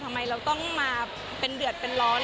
ทำไมเราต้องมาเป็นเดือดเป็นร้อน